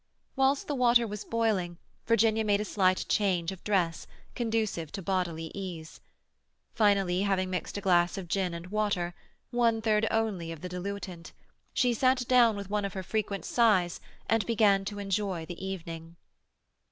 Whilst the water was boiling, Virginia made a slight change of dress, conducive to bodily ease. Finally, having mixed a glass of gin and water—one third only of the diluent—she sat down with one of her frequent sighs and began to enjoy the evening.